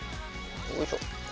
おいしょ。